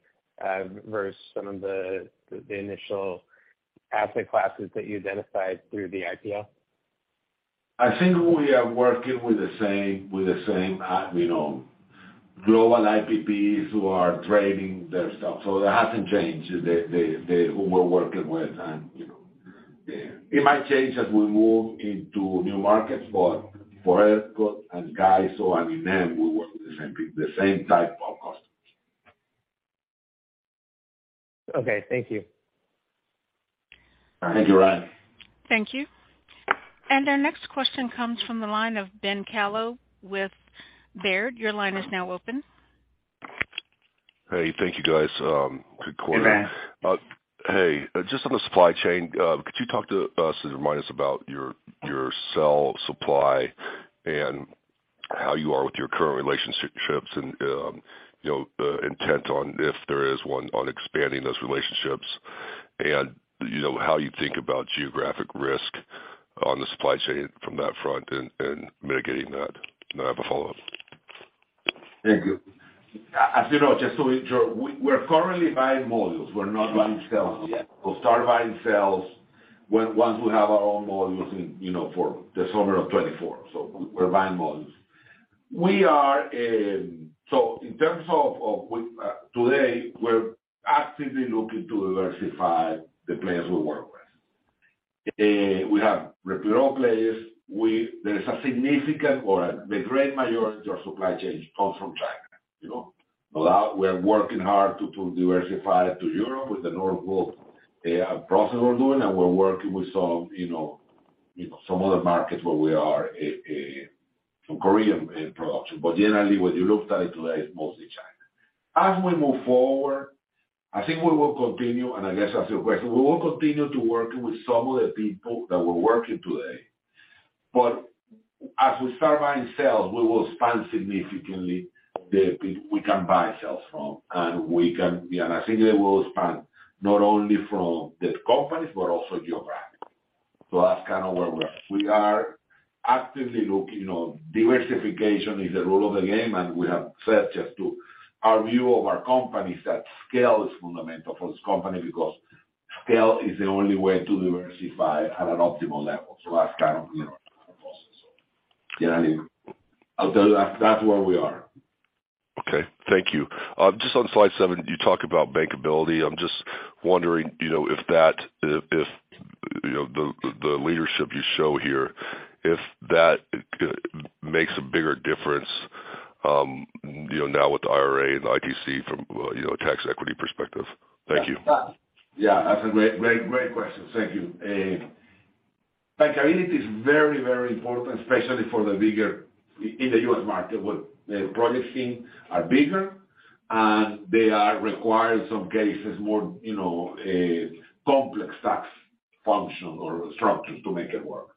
versus some of the initial asset classes that you identified through the IPO? I think we are working with the same, with the same, you know, global IPPs who are trading their stuff. That hasn't changed, the who we're working with. You know, it might change as we move into new markets, but for ERCOT and CAISO, I mean, them, we work with the same type of customers. Okay. Thank you. Thank you, Ryan. Thank you. Our next question comes from the line of Ben Kallo with Baird. Your line is now open. Hey, thank you, guys. Good quarter. Hey, Ben. Hey, just on the supply chain, could you talk to us and remind us about your cell supply and how you are with your current relationships and, you know, intent on if there is one on expanding those relationships? How you think about geographic risk on the supply chain from that front and mitigating that? I have a follow-up. Thank you. As you know, just to ensure, we're currently buying modules. We're not buying cells yet. We'll start buying cells once we have our own modules in, you know, for the summer of 2024. We're buying modules. We are. In terms of, today, we're actively looking to diversify the players we work with. We have replaced players. There is a significant or the great majority of our supply chain comes from China. You know, now we're working hard to diversify to Europe with the Nord Pool process we're doing, and we're working with some, you know, some other markets where we are, some Korean in production. Generally, when you look at it today, it's mostly China. As we move forward, I think we will continue, and I guess that's your question. We will continue to work with some of the people that we're working today. As we start buying cells, we will expand significantly the we can buy cells from. I think we will expand not only from these companies but also geographic. That's kind of where we are. We are actively, you know, diversification is the rule of the game. We have said just to our view of our companies that scale is fundamental for this company because scale is the only way to diversify at an optimal level. That's kind of, you know, our process. You know what I mean? I'll tell you that's where we are. Okay. Thank you. Just on slide seven, you talk about bankability. I'm just wondering, you know, if that, if, you know, the leadership you show here, if that makes a bigger difference, you know, now with the IRA and ITC from, you know, tax equity perspective? Thank you. Yeah. That's a great question. Thank you. Bankability is very important, especially for the in the U.S. market, where the project team are bigger and they are required, in some cases, more, you know, complex tax function or structures to make it work.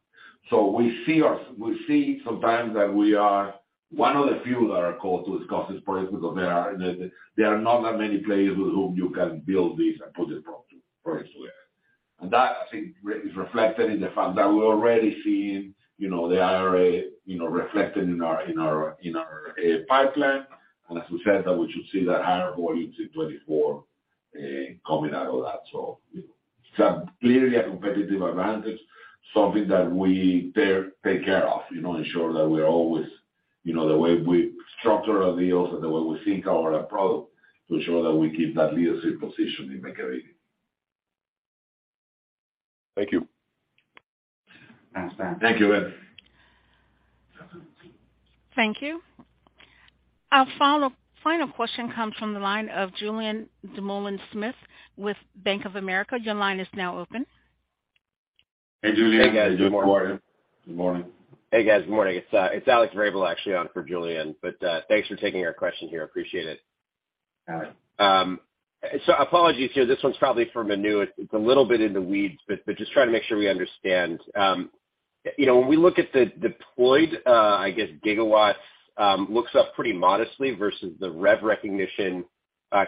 We see sometimes that we are one of the few that are called to discuss this project because there are not that many players with whom you can build this and put it properly elsewhere. That, I think, is reflected in the fact that we're already seeing, you know, the IRA, you know, reflected in our pipeline. As we said, that we should see that higher volumes in 2024 coming out of that. It's clearly a competitive advantage, something that we take care of, you know, ensure that we're always, you know, the way we structure our deals and the way we think our product to ensure that we keep that leadership position in bankability. Thank you. Thanks, Dan. Thank you, Ed. Thank you. Our final question comes from the line of Julien Dumoulin-Smith with Bank of America. Your line is now open. Hey, Julian. Hey, guys. Good morning. Good morning. Hey, guys. Good morning. It's Alex Vrabel, actually on for Julian. Thanks for taking our question here. I appreciate it. Got it. Apologies here. This one's probably for Manu. It's a little bit in the weeds, but just trying to make sure we understand. You know, when we look at the deployed, I guess gigawatts, looks up pretty modestly versus the rev recognition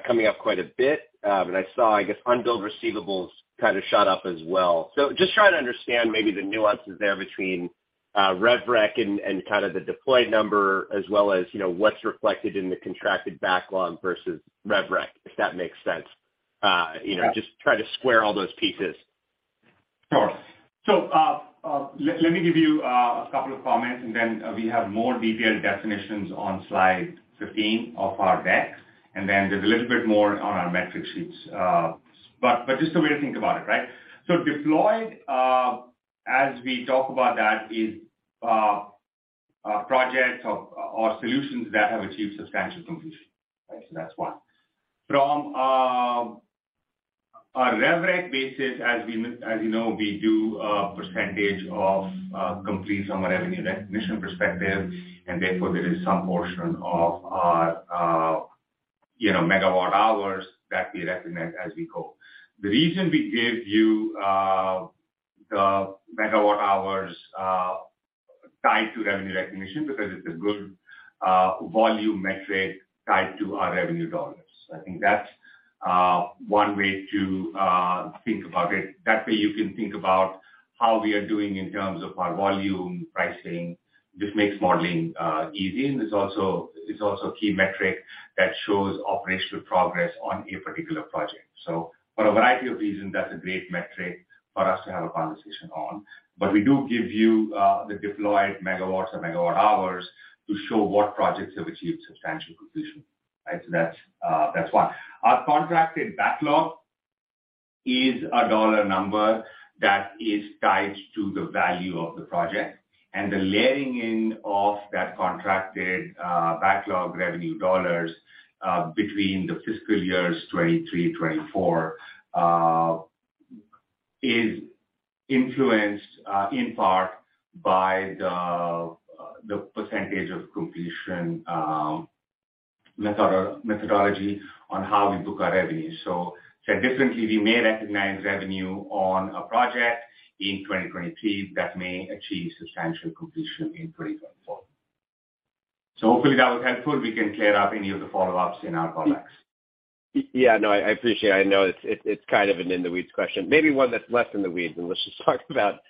coming up quite a bit. But I saw, I guess, unbilled receivables kind of shot up as well. Just trying to understand maybe the nuances there between rev rec and kind of the deployed number as well as, you know, what's reflected in the contracted backlog versus rev rec, if that makes sense. You know, just try to square all those pieces. Sure. Let me give you a couple of comments, and then we have more detailed definitions on slide 15 of our deck, and then there's a little bit more on our metric sheets. Just a way to think about it, right? Deployed, as we talk about that, is projects or solutions that have achieved substantial completion. Right. That's one. From a rev rec basis, as you know, we do a percentage of complete from a revenue recognition perspective, and therefore there is some portion of our, you know, megawatt hours that we recognize as we go. The reason we gave you the megawatt hours tied to revenue recognition because it's a good volume metric tied to our revenue dollars. I think that's one way to think about it. That way you can think about how we are doing in terms of our volume, pricing. This makes modeling easy. It's also, it's also a key metric that shows operational progress on a particular project. For a variety of reasons, that's a great metric for us to have a conversation on. We do give you the deployed megawatts and megawatt hours to show what projects have achieved substantial completion. Right. That's one. Our contracted backlog is a dollar number that is tied to the value of the project, and the layering in of that contracted backlog revenue dollars between the fiscal years 2023, 2024 is influenced in part by the percentage of completion methodology on how we book our revenue. Said differently, we may recognize revenue on a project in 2023 that may achieve substantial completion in 2024. Hopefully that was helpful. We can clear up any of the follow-ups in our comments. Yeah, no, I appreciate. I know it's kind of an in the weeds question, maybe one that's less in the weeds. Let's just talk about,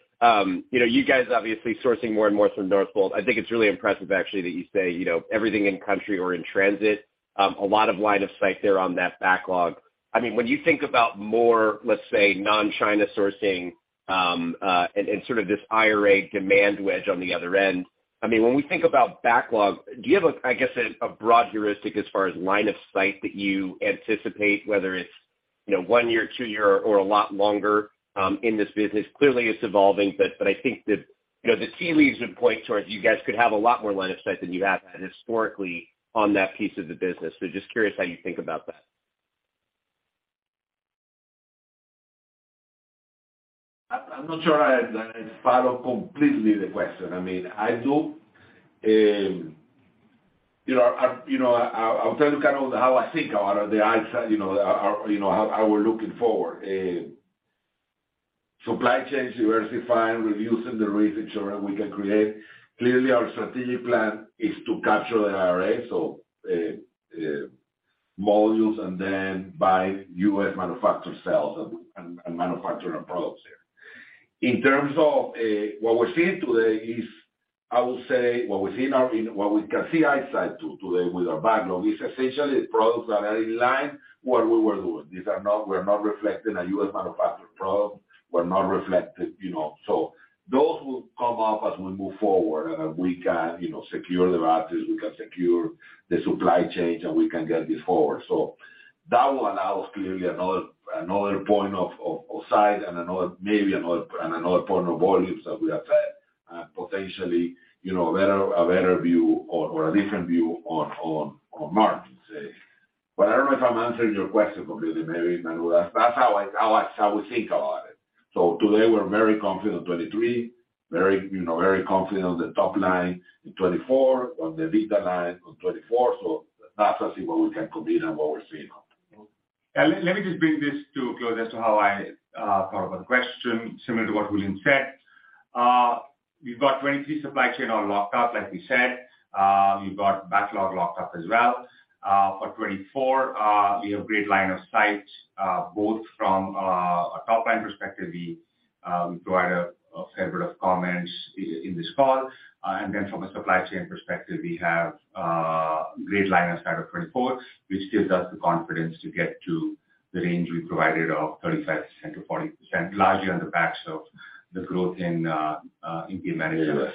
you know, you guys obviously sourcing more and more from Northvolt. I think it's really impressive actually, that you say, you know, everything in country or in transit, a lot of line of sight there on that backlog. I mean, when you think about more, let's say, non-China sourcing, and sort of this IRA demand wedge on the other end. I mean, when we think about backlog, do you have a, I guess, a broad heuristic as far as line of sight that you anticipate, whether it's, you know, one year, two year or a lot longer, in this business? Clearly, it's evolving, but I think the, you know, the tea leaves would point towards you guys could have a lot more line of sight than you have had historically on that piece of the business. Just curious how you think about that? I'm not sure I follow completely the question. I mean, I do, you know, I, you know, I'll tell you kind of how I think or the insight, you know, or, you know, how we're looking forward. Supply chains diversifying, reducing the risk so that we can create. Clearly our strategic plan is to capture the IRA, so modules and then buy U.S. manufactured cells and manufacture our products here. In terms of what we're seeing today is, I will say what we see now what we can see eyesight today with our backlog is essentially products that are in line what we were doing. These are not we're not reflecting a U.S. manufactured product. We're not reflected, you know. Those will come up as we move forward, and we can, you know, secure the batteries, we can secure the supply chains, and we can get this forward. That will allow us clearly another point of size and maybe another, and another point of volumes that we have had, potentially, you know, a better view or a different view on markets. I don't know if I'm answering your question completely, maybe, Manuel. That's, that's how I, how I, how we think about it. Today we're very confident on 23, very, you know, very confident on the top line in 24, on the EBITDA line on 24, that's actually what we can compete on what we're seeing. Let me just bring this to a close as to how I thought about the question, similar to what Julien said. We've got 2023 supply chain all locked up, like we said. We've got backlog locked up as well. For 2024, we have great line of sight, both from a top-line perspective, we provided a fair bit of comments in this call. From a supply chain perspective, we have great line of sight of 2024, which gives us the confidence to get to the range we provided of 35%-40%, largely on the backs of the growth in energy management.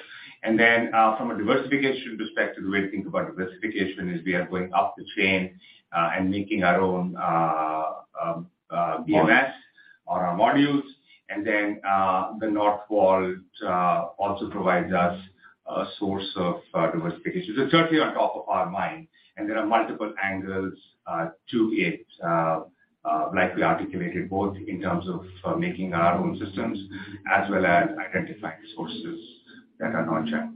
From a diversification perspective, the way to think about diversification is we are going up the chain, and making our own BMS on our modules. The Northvolt also provides us a source of diversification. It's certainly on top of our mind, and there are multiple angles to it, like we articulated, both in terms of making our own systems as well as identifying sources that are non-China.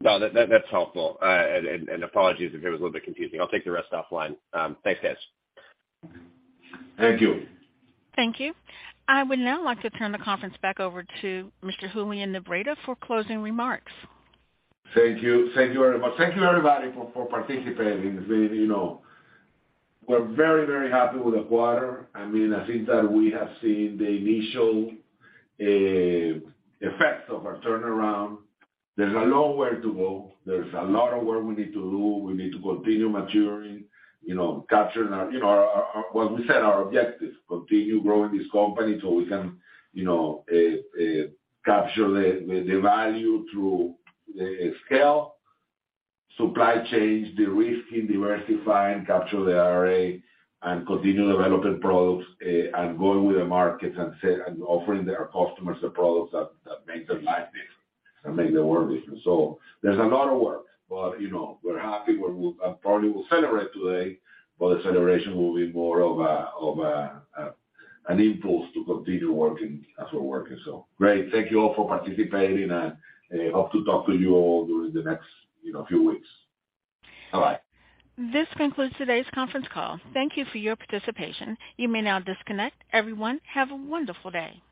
No, that's helpful. Apologies if it was a little bit confusing. I'll take the rest offline. Thanks, guys. Thank you. Thank you. I would now like to turn the conference back over to Mr. Julian Nebreda for closing remarks. Thank you. Thank you very much. Thank you, everybody, for participating. You know, we're very, very happy with the quarter. I mean, I think that we have seen the initial effects of our turnaround. There's a long way to go. There's a lot of work we need to do. We need to continue maturing, you know, capturing our, you know, what we said, our objectives. Continue growing this company so we can, you know, capture the value through the scale, supply chains, de-risking, diversifying, capture the IRA and continue developing products and going with the markets and offering their customers the products that make their life different and make their world different. There's a lot of work, but, you know, we're happy. Probably will celebrate today, but the celebration will be more of an impulse to continue working as we're working. Great. Thank you all for participating and hope to talk to you all during the next, you know, few weeks. Bye-bye. This concludes today's conference call. Thank you for your participation. You may now disconnect. Everyone, have a wonderful day.